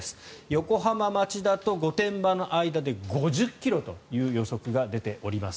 横浜町田ＩＣと御殿場ＩＣの間で５０ｋｍという予測が出ております。